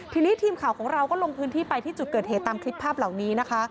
ทีนี้ทีมข่าวของเราก็ลงพื้นที่ไปที่จุดเกิดเหตุตามคลิปภาพเหล่านี้นะคะ